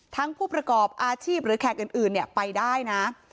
ทั้งผู้ประกอบอาชีพหรือแขกอื่นอื่นเนี้ยไปได้นะ